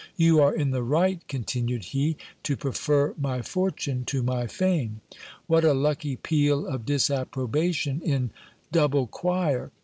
You are in the right, continued he, to prefer my fortune to my fame. What a lucky peal of disapprobation in double choir